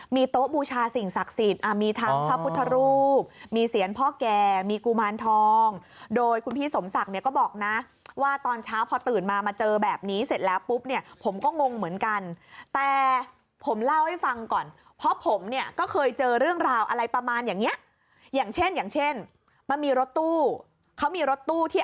มีโต๊ะบูชาสิ่งศักดิ์สิทธิ์มีทั้งพระพุทธรูปมีเสียงพ่อแก่มีกุมารทองโดยคุณพี่สมศักดิ์เนี่ยก็บอกนะว่าตอนเช้าพอตื่นมามาเจอแบบนี้เสร็จแล้วปุ๊บเนี่ยผมก็งงเหมือนกันแต่ผมเล่าให้ฟังก่อนเพราะผมเนี่ยก็เคยเจอเรื่องราวอะไรประมาณอย่างเนี้ยอย่างเช่นอย่างเช่นมันมีรถตู้เขามีรถตู้ที่